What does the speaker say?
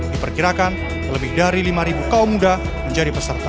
diperkirakan lebih dari lima kaum muda menjadi peserta